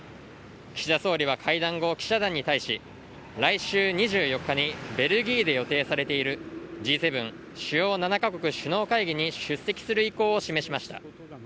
岸田総理は会談後、記者団に対し来週２４日にベルギーで予定されているＧ７主要７カ国首脳会議に出席する意向を示しました。